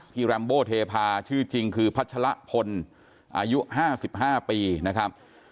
พี่แรมโบเทพาชื่อจริงคือพัชละพลอายุห้าสิบห้าปีนะครับ